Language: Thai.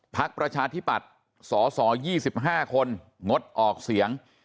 ประชาธิปัตย์สส๒๕คนงดออกเสียง